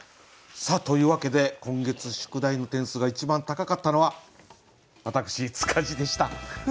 さあというわけで今月宿題の点数が一番高かったのは私塚地でした。